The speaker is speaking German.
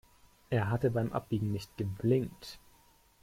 Er hatte beim Abbiegen nicht geblinkt.